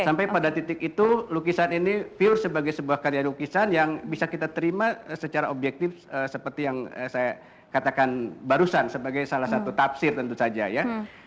sampai pada titik itu lukisan ini pure sebagai sebuah karya lukisan yang bisa kita terima secara objektif seperti yang saya katakan barusan sebagai salah satu tafsir tentu saja ya